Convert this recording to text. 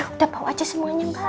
udah bawa aja semuanya mbak